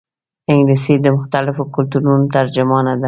انګلیسي د مختلفو کلتورونو ترجمانه ده